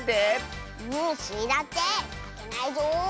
スイだってまけないぞ！